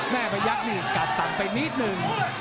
แม่มายักษ์นี่กับตังไปนิดนึง